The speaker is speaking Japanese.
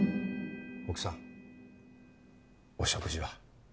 奥さんお食事は？